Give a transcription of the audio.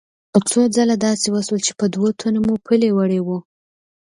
څو ځله داسې وشول چې په دوو تنو مو پلي وړي وو.